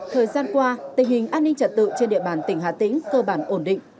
thời gian qua tình hình an ninh trật tự trên địa bàn tỉnh hà tĩnh cơ bản ổn định